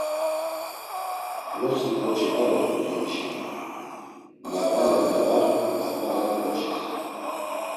Vrosi ǩoçi var ort̆u hini şeni, nağalya na var axmaren ǩoçis.